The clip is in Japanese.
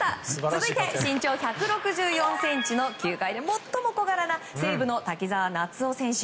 続いて、身長１６４ｃｍの球界で最も小柄な西武の滝澤夏央選手。